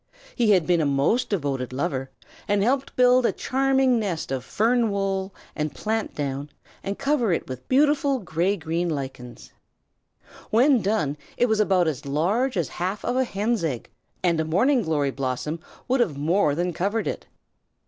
He had been a most devoted lover, and helped build a charming nest of fern wool and plant down, and cover it with beautiful gray green lichens. When done it was about as large as half of a hen's egg, and a morning glory blossom would have more than covered it.